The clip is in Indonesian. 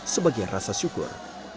sebagai rasa syukur